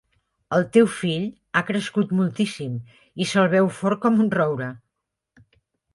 El teu fill ha crescut moltíssim i se'l veu fort com un roure.